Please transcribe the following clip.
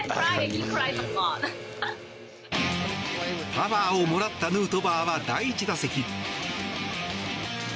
パワーをもらったヌートバーは第１打席。